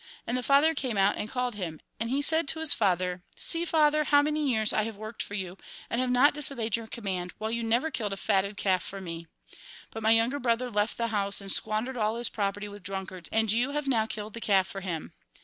And the father came out and called him. And he said to his father :' See, father, how many years I have worked for you, and have not disobeyed your com mand, while you never killed a fatted calf for me. But my younger brother left the house and squandered all his property with drunkards, and you have now killed the calf for him.'